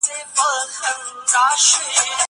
دا موبایل له هغه ګټور دی!؟